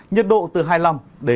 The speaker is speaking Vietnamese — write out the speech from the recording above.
nhiệt độ từ hai mươi năm ba mươi bốn độ